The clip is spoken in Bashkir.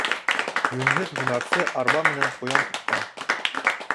Йүнһеҙ һунарсы арба менән ҡуян тотҡан.